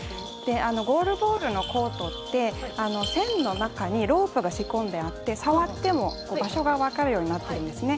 ゴールボールのコートって線の中にロープが仕込んであって触っても場所が分かるようになっているんですね。